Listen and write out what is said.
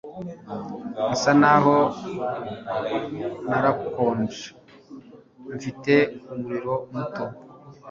Nsa naho narakonje Mfite umuriro muto